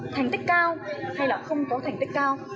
thành tích cao hay là không có thành tích cao